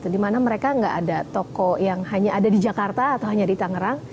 di mana mereka nggak ada toko yang hanya ada di jakarta atau hanya di tangerang